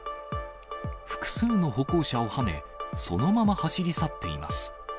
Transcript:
複数の歩行者をはね、そのまま走り去っています。